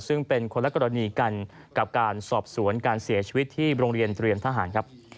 ซึ่งเป็นคนละกรณีกันกับการสอบสวนการเสียชีวิตที่โรงเรียนเตรียมทหารครับ